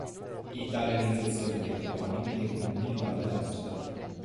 Italianizzazione dei toponimi dei comuni in Valle d'Aosta